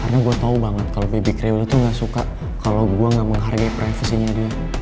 karena gue tau banget kalo bebik reul itu gak suka kalo gue gak menghargai privasinya dia